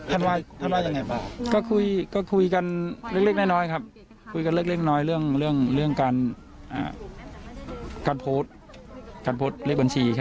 อ่ะอย่างนี้ค่ะลุงถามบ้านนี้ค่ะ